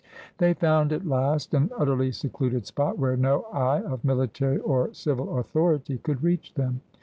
They found at last an utterly secluded spot, where no eye of military or civil authority could reach them.